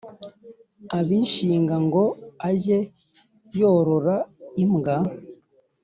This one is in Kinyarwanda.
abishinga ngo ajye yorora imbwa